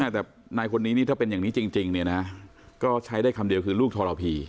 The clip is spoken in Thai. แต่นายคนนี้นี่ถ้าเป็นอย่างนี้จริงเนี่ยนะก็ใช้ได้คำเดียวคือลูกทรพี